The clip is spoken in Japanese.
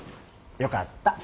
よかった。